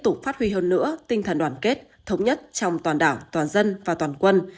tục phát huy hơn nữa tinh thần đoàn kết thống nhất trong toàn đảo toàn dân và toàn quân